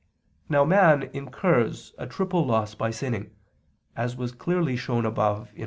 Now man incurs a triple loss by sinning, as was clearly shown above (Q.